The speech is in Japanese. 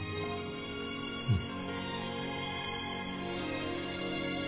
うん。